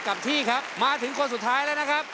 กับที่ครับมาถึงคนสุดท้ายแล้วนะครับ